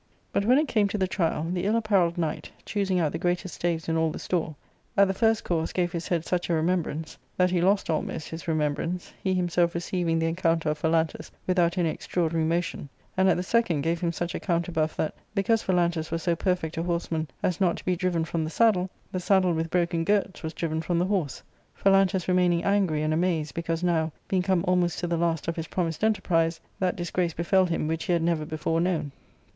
^ But, when it came to the trials the ill apparelled knight, choosing out the greatest staves in all the store, at the first course gave his head such a remembrance that he lost almost his remembrance, he himself receiving the encounter of Phalantus without any extraordinary motion, and at the second gave him such a counterbuff that, because Phalantus was so perfect a horseman as not to be driven from the saddle, the saddle with broken girts was driven from the horse, Phalantus remaining angry and amazed, because now, being come almost to the last of his promised enterprise, that disgrace befel him which he had never before known.